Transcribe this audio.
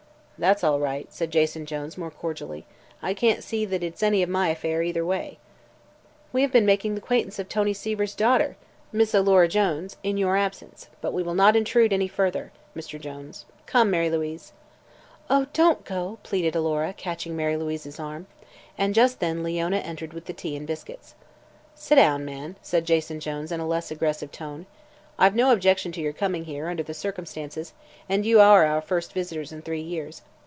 "That's all right," said Jason Jones, more cordially. "I can't see that it's any of my affair, either way." "We have been making the acquaintance of Tony Seaver's daughter, Miss Alora Jones, in your absence. But we will not intrude farther, Mr. Jones. Come, Mary Louise." "Oh, don't go!" pleaded Alora, catching Mary Louise's arm. And just then Leona entered with the tea and biscuits. "Sit down, man," said Jason Jones in a less aggressive tone. "I've no objection to your coming here, under the circumstances, and you are our first visitors in three years.